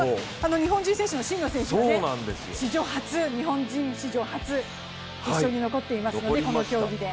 日本人選手の真野選手が日本人史上初決勝に残っています、この競技で。